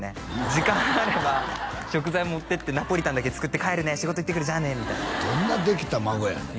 時間あれば食材持ってってナポリタンだけ作って帰るね仕事行ってくるじゃあねみたいなどんなできた孫やねん